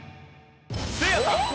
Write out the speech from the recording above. せいやさん。